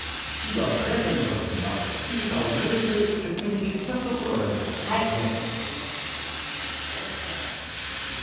スキーは速いタイムを出すにはスキー板をなるべく雪面に接地させておくことが大事です。